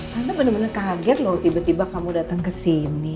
tante bener bener kaget loh tiba tiba kamu datang kesini